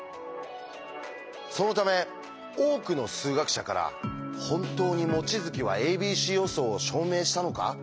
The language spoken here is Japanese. そのため多くの数学者から「本当に望月は『ａｂｃ予想』を証明したのか？」